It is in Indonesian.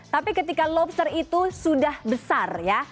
tapi ketika lobster itu sudah besar ya